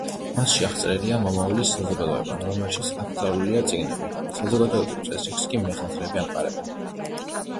მასში აღწერილია მომავლის საზოგადოება, რომელშიც აკრძალულია წიგნები, საზოგადოებრივ წესრიგს კი მეხანძრეები ამყარებენ.